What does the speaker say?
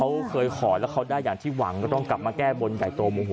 เขาเคยขอแล้วเขาได้อย่างที่หวังก็ต้องกลับมาแก้บนใหญ่โตโมโห